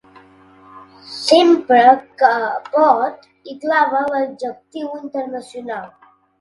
Sempre que pot hi clava l'adjectiu internacional.